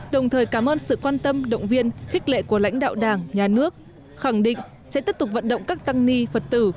đồng thời cảm ơn sự quan tâm động viên khích lệ của lãnh đạo đảng nhà nước khẳng định sẽ tiếp tục vận động các tăng ni phật tử